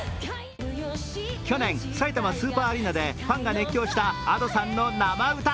去年、さいたまスーパーアリーナでファンが熱狂したＡｄｏさんの生歌。